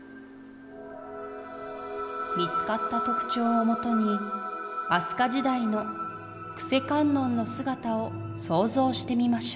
「見つかった特徴をもとに飛鳥時代の救世観音の姿を想像してみましょう」。